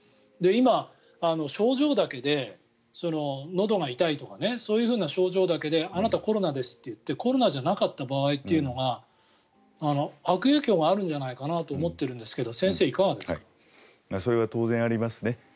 今、症状だけでのどが痛いとかそういう症状だけであなた、コロナですって言ってコロナじゃなかった場合というのが悪影響があるんじゃないかなと思ってるんですがそれは当然ありますね。